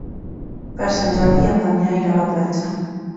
Per Sant Jordi en Damià irà a la platja.